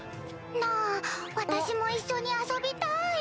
なぁ私も一緒に遊びたい！